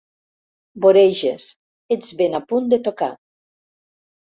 Voreges, ets ben a punt de tocar.